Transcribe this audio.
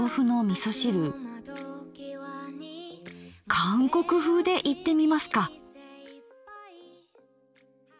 韓国風でいってみますか。